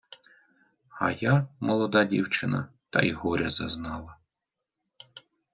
А я, молода дівчина, та й горя зазнала